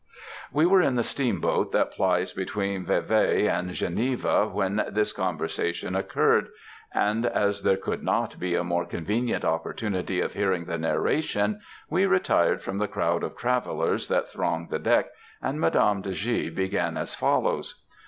We were in the steamboat that plies between Vevay and Geneva when this conversation occurred, and as there could not be a more convenient opportunity of hearing the narration, we retired from the crowd of travellers that thronged the deck, and Madame de G. began as follows.